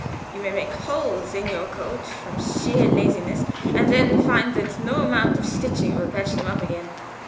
You may make holes in your coat from sheer laziness, and then find that no amount of stitching will patch them up again."